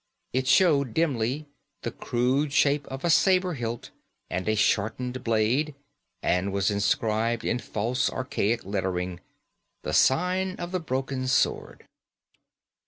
It showed dimly the crude shape of a sabre hilt and a shortened blade; and was inscribed in false archaic lettering, "The Sign of the Broken Sword."